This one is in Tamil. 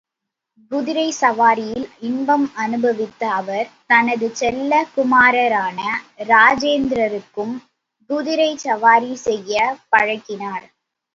குதிரைச் சவாரியில் இன்பம் அனுபவித்த அவர், தனது செல்லக் குமாரனான ராஜேந்திரருக்கும் குதிரைச் சவாரி செய்யப் பழக்கினார்.